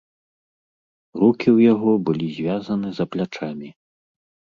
Рукі ў яго былі звязаны за плячамі.